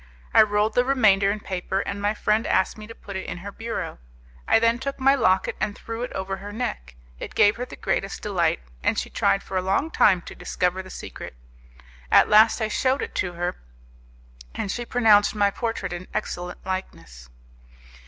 I rolled the remainder in paper, and my friend asked me to put it in her bureau. I then took my locket and threw it over her neck; it gave her the greatest delight, and she tried for a long time to discover the secret. At last I showed it her, and she pronounced my portrait an excellent likeness.